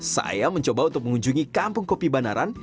saya mencoba untuk mengunjungi kampung kopi banaran